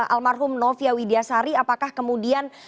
almarhum novia widyasari apakah kemudian